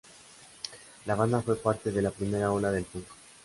La banda fue parte de la primera ola del "punk".